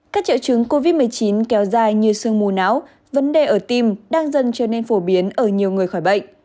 các triệu chứng covid một mươi chín kéo dài như sương mù não vấn đề ở tim đang dần trở nên phổ biến ở nhiều người khỏi bệnh